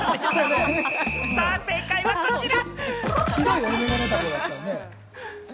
さぁ、正解はこちら！